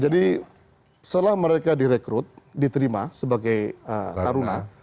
jadi setelah mereka direkrut diterima sebagai taruna